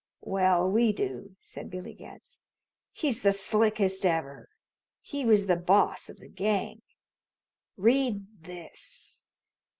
"Well, we do," said Billy Getz. "He's the slickest ever. He was the boss of the gang. Read this!"